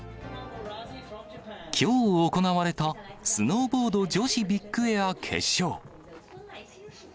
きょう行われた、スノーボード女子ビッグエア決勝。